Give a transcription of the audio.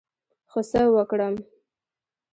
خو څه وکړم،